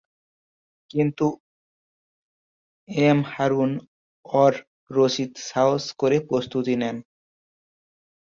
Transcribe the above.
কিন্তু এম হারুন-অর-রশিদ সাহস করে প্রস্তুতি নেন।